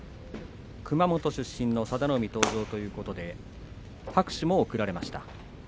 熊本出身の佐田の海登場ということで拍手も送られました。